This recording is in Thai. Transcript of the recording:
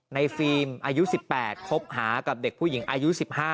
ฟิล์มอายุ๑๘คบหากับเด็กผู้หญิงอายุ๑๕